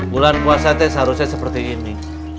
bulan puasa itu seharusnya seperti ini